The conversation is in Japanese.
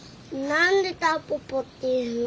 何でタンポポっていうの？